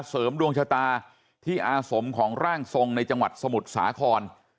เสริมดวงชะตาที่อาสมของร่างทรงในจังหวัดสมุทรสาคร